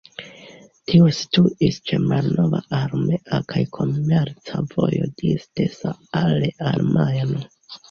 Tio situis ĉe malnova armea kaj komerca vojo disde Saale al Majno.